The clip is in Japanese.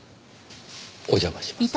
お邪魔します。